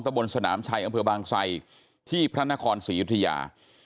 บนสนามชัยอำเภอบางไซที่พระนครศรียุธยา